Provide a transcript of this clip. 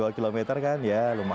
ee untuk resepsi pernikahan dari bobo